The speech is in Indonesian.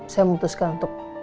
saya memutuskan untuk